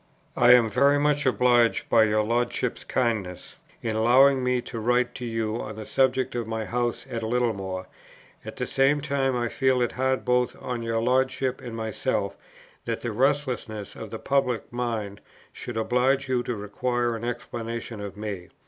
I am very much obliged by your Lordship's kindness in allowing me to write to you on the subject of my house at Littlemore; at the same time I feel it hard both on your Lordship and myself that the restlessness of the public mind should oblige you to require an explanation of me.